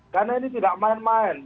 karena ini tidak main main